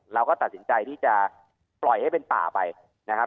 เราก็ตัดสินใจที่จะปล่อยให้เป็นป่าไปนะครับ